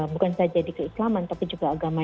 bukan saja di keislaman tapi juga agama